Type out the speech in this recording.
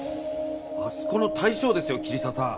あそこの大将ですよ桐沢さん。